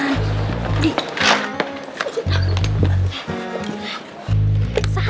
oke ini tuh